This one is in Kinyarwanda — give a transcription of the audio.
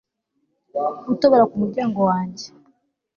gutobora ku muryango wanjye